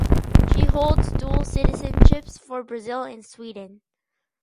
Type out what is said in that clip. She holds dual citizenships for Brazil and Sweden.